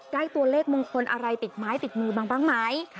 ได้ตัวเลขมงคลอะไรติดไม้ติดมือมาบ้างไหม